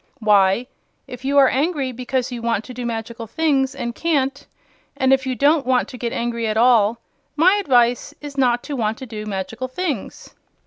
"Why, if you are angry because you want to do magical things and can't, and if you don't want to get angry at all, my advice is not to want to do magical things."